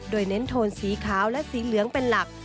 โดยเน้นโทนสีขาวและสีเหลืองเป็นหลัก